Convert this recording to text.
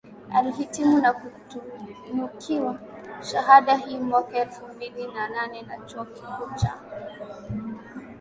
alihitimu na kutunukiwa shahada hii mwaka elfu mbili na nane na Chuo Kikuu cha